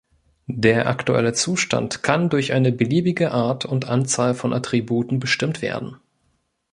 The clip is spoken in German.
Der aktuelle Zustand kann durch eine beliebige Art und Anzahl von Attributen bestimmt werden.